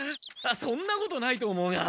そんなことないと思うが。